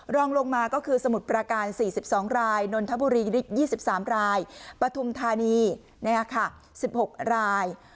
รองลงมาก็คือสมุทรประการ๔๒รายนนทบุรี๒๓รายปฐุมธานี๑๖ราย